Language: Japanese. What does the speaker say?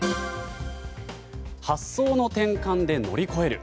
発想の転換で乗り越える。